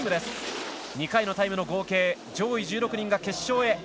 ２回のタイムの合計上位１６人が決勝へ。